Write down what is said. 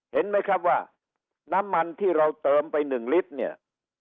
เห็นไหมครับว่าน้ำมันที่เราเติมไป๑ลิตรเนี่ย